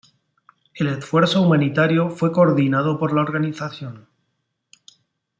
El esfuerzo humanitario fue coordinado por la organización.